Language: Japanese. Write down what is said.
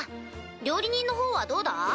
料理人のほうはどうだ？